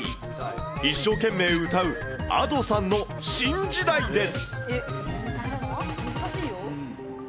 一生懸命歌う、Ａｄｏさんの新時代です。